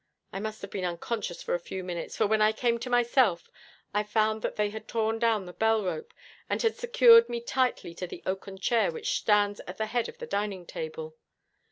I must have been unconscious for a few minutes, for when I came to myself, I found that they had torn down the bell rope, and had secured me tightly to the oaken chair which stands at the head of the dining table.